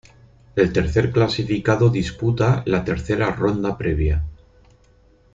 El tercer clasificado disputa la tercera ronda previa.